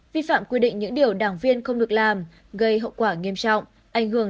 vi phạm quy định những điều đảng viên không được làm gây hậu quả nghiêm trọng